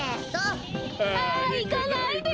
あいかないで。